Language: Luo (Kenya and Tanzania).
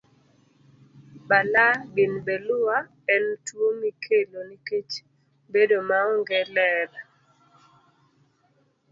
Balaa bin beleua en tuwo mikelo nikech bedo maonge ler.